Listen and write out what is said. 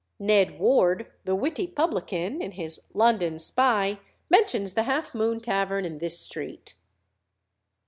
Ned Ward, the witty publican, in his London Spy, mentions the Half Moon Tavern in this street.